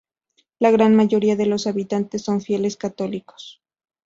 La gran mayoría de los habitantes son fieles católicos.